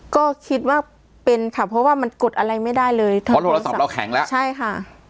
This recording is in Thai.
ก็คิดว่าเป็นค่ะเพราะว่ามันกดอะไรไม่ได้เลยเพราะโทรศัพท์เราแข็งแล้วใช่ค่ะ